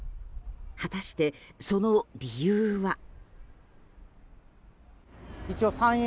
果たして、その理由は？